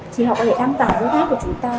thì họ có thể đăng tả với các của chúng ta